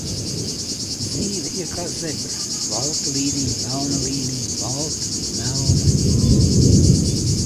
Dzīve ir kā zebra, balta līnija, melna līnija, balta, melna